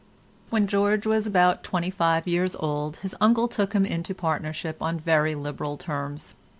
When George was about twenty five years old his uncle took him into partnership on very liberal terms.